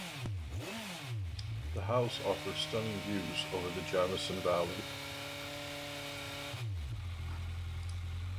The house offers stunning views over the Jamison Valley.